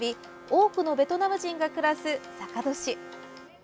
多くのベトナム人が暮らす坂戸市。